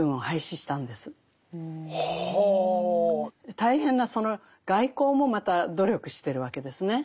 大変なその外交もまた努力してるわけですね。